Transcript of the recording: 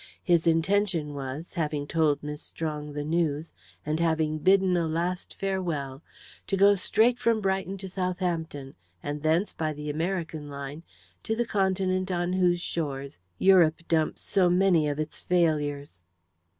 His intention was, having told Miss Strong the news, and having bidden a last farewell, to go straight from Brighton to Southampton, and thence, by the American line, to the continent on whose shores Europe dumps so many of its failures.